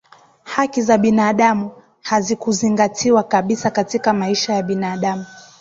haki za binadamu hazikuzingatiwa kabisa katika maisha ya binadamu